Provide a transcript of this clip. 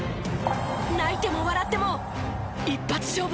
泣いても笑っても一発勝負です。